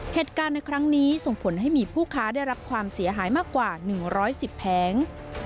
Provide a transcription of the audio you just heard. เหตุการณ์ในครั้งนี้ส่งผลให้มีผู้ค้าได้รับความเสียหายมากกว่า๑๑๐แผง